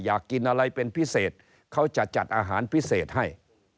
อยากกินอะไรเป็นพิเศษเขาจะจัดอาหารพิเศษให้